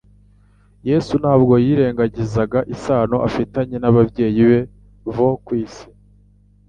Yesu ntabwo yirengagizaga isano afitanye n'ababyeyi be bo ku isi.